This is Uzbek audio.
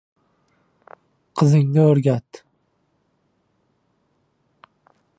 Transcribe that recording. Qizingni o‘rgat: